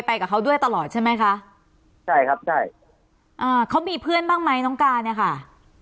กับเขาด้วยตลอดใช่ไหมคะใช่ครับใช่อ่าเขามีเพื่อนบ้างไหมน้องการเนี้ยค่ะ